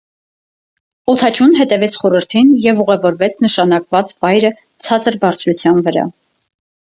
Օդաչուն հետևեց խորհրդին և ուղևորվեց նշանակված վայրը ցածր բարձրության վրա։